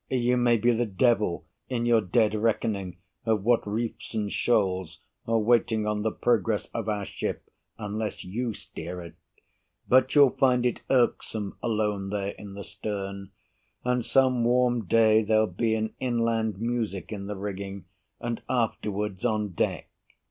You may be the devil In your dead reckoning of what reefs and shoals Are waiting on the progress of our ship Unless you steer it, but you'll find it irksome Alone there in the stern; and some warm day There'll be an inland music in the rigging, And afterwards on deck.